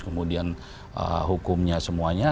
kemudian hukumnya semuanya